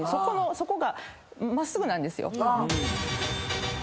そこが真っすぐなんですよ。